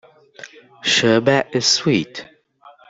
Sherbet is sweet.